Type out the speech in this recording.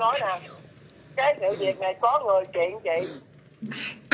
cái sự việc này có người kiện chị